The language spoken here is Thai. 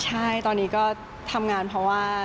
ใช่ตอนนี้ก็ทำงานเพราะว่า